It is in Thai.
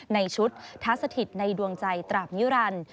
ในชุดทัศถิตในดวงใจตราบนิรันดิ์